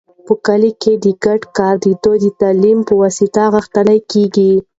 په کلي کې د ګډ کار دود د تعلیم په واسطه غښتلی کېږي.